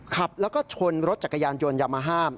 ขับแล้วก็ชนรถจักรยานยนต์ยามาห้าม